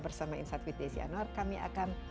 bersama insight with desi anwar kami akan